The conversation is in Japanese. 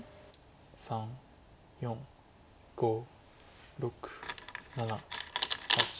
３４５６７８。